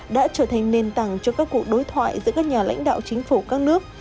đã trở thành nền tảng cho các cuộc đối thoại giữa các nhà lãnh đạo chính phủ các nước